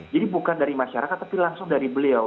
jadi bukan dari masyarakat tapi langsung dari beliau